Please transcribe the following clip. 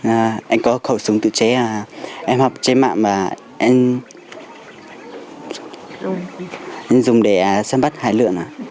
anh có khẩu súng tự chế em học chế mạng và em dùng để xâm bắt hải lượng